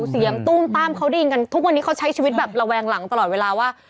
ตุ้มตั้มเขาได้ยินกันทุกวันนี้เขาใช้ชีวิตแบบระแวงหลังตลอดเวลาว่า